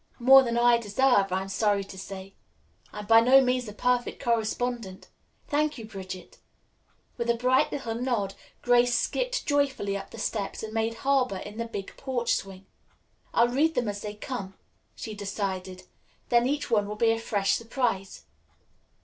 "More than I deserve, I am sorry to say. I'm by no means a perfect correspondent. Thank you, Bridget." With a bright little nod, Grace skipped joyfully up the steps and made harbor in the big porch swing. "I'll read them as they come," she decided, "then each one will be a fresh surprise.